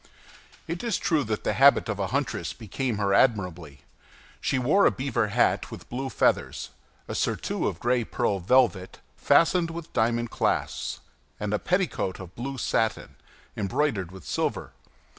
It is true that the habit of a huntress became her admirably. She wore a beaver hat with blue feathers, a surtout of gray pearl velvet, fastened with diamond clasps, and a petticoat of blue satin, embroidered with silver.